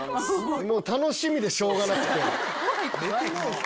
もう楽しみでしょうがなくて。